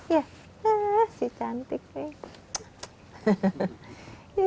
ya si cantiknya